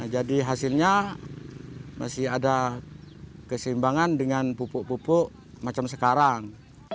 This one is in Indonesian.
jadi hasilnya masih ada keseimbangan dengan pupuk pupuk macam sekarang